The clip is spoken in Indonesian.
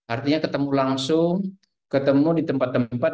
artinya ketemu langsung ketemu di tempat tempat di mana para pemilih itu berada